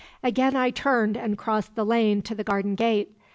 "Again I turned and crossed the lane to the garden gate.